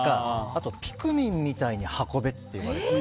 あと、ピクミンみたいに運べって言われて。